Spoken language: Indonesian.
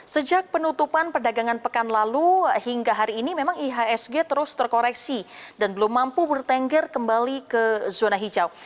sejak penutupan perdagangan pekan lalu hingga hari ini memang ihsg terus terkoreksi dan belum mampu bertengger kembali ke zona hijau